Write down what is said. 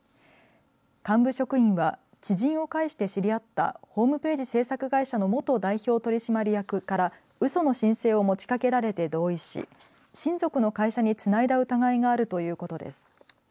幹部職員は知人を介して知り合ったホームページ制作会社の元代表取締役からうその申請を持ちかけられて同意し親族の会社につないだ疑いがあるということです。